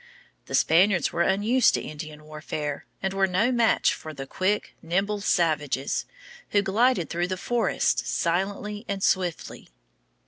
The Spaniards were unused to Indian warfare, and were no match for the quick, nimble savages, who glided through the forests silently and swiftly.